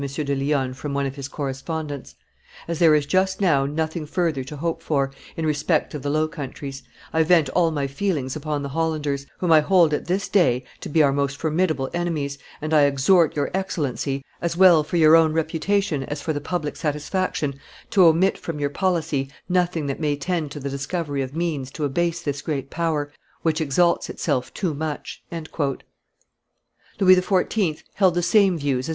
de Lionne from one of his correspondents; "as there is just now nothing further to hope for, in respect of they Low Countries, I vent all my feelings upon the Hollanders, whom I hold at this day to be our most formidable enemies, and I exhort your Excellency, as well for your own reputation as for the public satisfaction, to omit from your policy nothing that may tend to the discovery of means to abase this great power, which exalts itself too much." Louis XIV. held the same views as M.